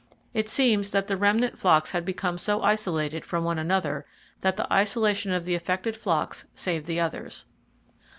It seems that the remnant flocks had become so isolated from one another that the isolation of the affected flocks saved the others.